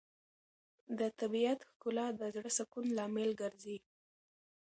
د طبیعت ښکلا د زړه سکون لامل ګرځي.